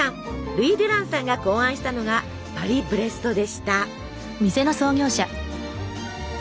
ルイ・デュランさんが考案したのがパリブレストでした。